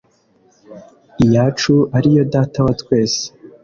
iyacu ari yo data wa twese